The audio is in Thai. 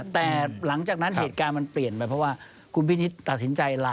แต่หลังจากนั้นเกิดงานมันเปลี่ยนไป